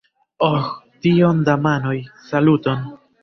Oh tiom da manoj, saluton!